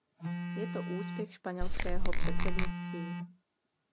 Je to úspěch španělského předsednictví.